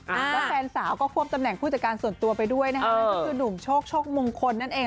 แล้วแฟนสาวก็ควบตำแหน่งผู้จัดการส่วนตัวไปด้วยนะคะนั่นก็คือหนุ่มโชคโชคมงคลนั่นเอง